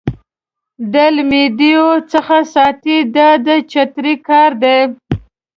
د لمدېدو څخه ساتي دا د چترۍ کار دی.